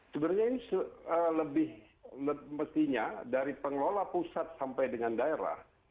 sebenarnya ini lebih mestinya dari pengelola pusat sampai dengan daerah